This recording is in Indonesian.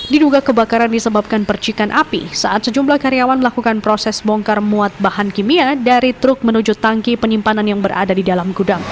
diduga kebakaran disebabkan percikan api saat sejumlah karyawan melakukan proses bongkar muat bahan kimia dari truk menuju tangki penyimpanan yang berada di dalam gudang